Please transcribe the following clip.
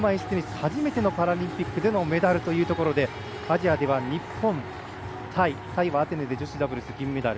初めてのパラリンピックでのメダルということでアジアでは日本、タイタイはアテネで女子ダブルスのメダル。